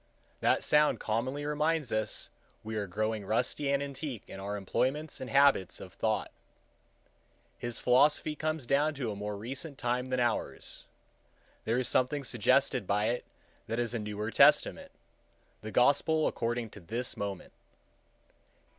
That sound commonly reminds us that we are growing rusty and antique in our employments and habits of thoughts. His philosophy comes down to a more recent time than ours. There is something suggested by it that is a newer testament,—the gospel according to this moment.